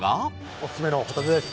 オススメのホタテです。